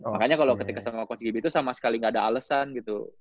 makanya kalau ketika sama coach gb itu sama sekali gak ada alasan gitu